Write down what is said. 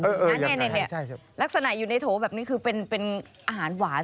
อันนี้ลักษณะอยู่ในโถแบบนี้คือเป็นอาหารหวาน